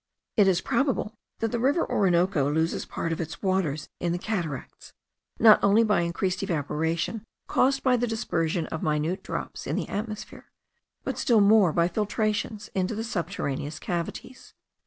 It is probable that the river Orinoco loses part of its waters in the cataracts, not only by increased evaporation, caused by the dispersion of minute drops in the atmosphere, but still more by filtrations into the subterraneous cavities.